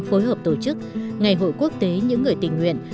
trung ương phối hợp tổ chức ngày hội quốc tế những người tình nguyện